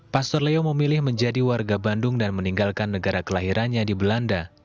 pastor leo memilih menjadi warga bandung dan meninggalkan negara kelahirannya di belanda